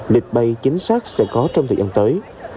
lịch bay chính xác sẽ có trong thời gian tới